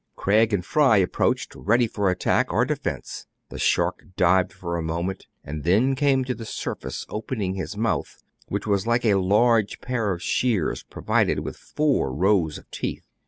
Craig and Fry approached, ready for attack or defence. The shark dived a moment, and then came to the surface, opening his mouth, which was like a large pair of shears provided with four rows of teeth.